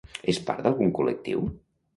És part d'algun col·lectiu?